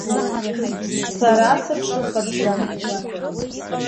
Сара сырҿыхатәӡам.